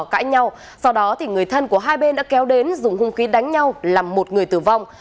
cãi nhau sau đó người thân của hai bên đã kéo đến dùng hung khí đánh nhau làm một người tử vong